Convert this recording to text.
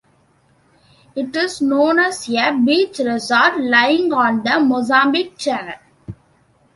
It is known as a beach resort, lying on the Mozambique Channel.